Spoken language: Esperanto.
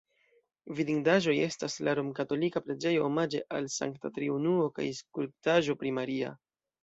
Vidindaĵoj estas la romkatolika preĝejo omaĝe al Sankta Triunuo kaj skulptaĵo pri Maria.